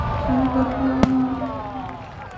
শান্ত হোন আম্মা!